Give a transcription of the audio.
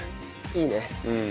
いいね。